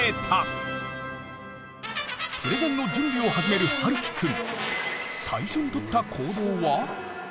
プレゼンの準備を始めるはるきくん。